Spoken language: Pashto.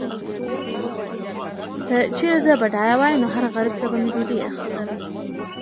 که چیرې زه بډایه وای، نو هر غریب ته به مې ډوډۍ اخیستله.